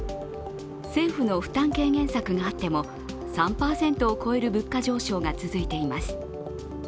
政府の負担軽減策があっても３％を超える物価上昇が続いています。